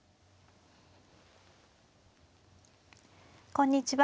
こんにちは。